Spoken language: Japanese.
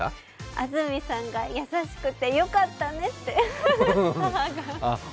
安住さんが優しくてよかったねって母が。